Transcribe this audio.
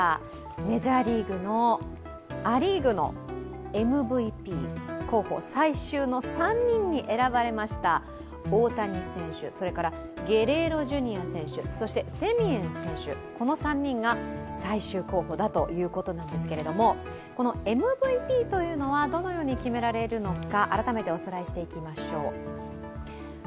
メジャーリーグのア・リーグのＭＶＰ候補の最終の３人に選ばれました大谷選手、ゲレーロ・ジュニア選手、そしてセミエン選手、この３人が最終候補だということなんですけれど、ＭＶＰというのはどのように決められるのか。